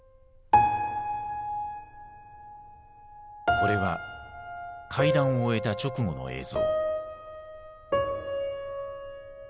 これは会談を終えた直後の映像。